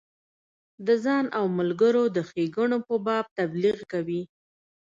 د ځان او ملګرو د ښیګڼو په باب تبلیغ کوي.